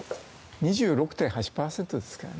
２６．８％ですからね。